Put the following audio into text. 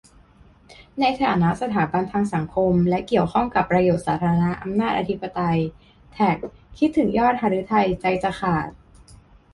ในฐานะสถาบันทางสังคมและเกี่ยวข้องกับประโยชน์สาธารณะ-อำนาจอธิปไตย แท็ก คิดถึงยอดหฤทัยใจจะขาด